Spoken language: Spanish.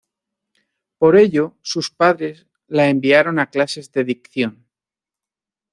Por ello, sus padres la enviaron a clases de dicción.